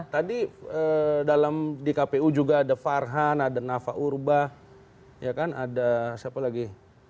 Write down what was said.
tadi di kpu juga ada farhan ada nafa urba ada siapa lagi